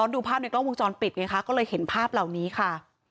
ดูภาพในกล้องวงจรปิดไงคะก็เลยเห็นภาพเหล่านี้ค่ะ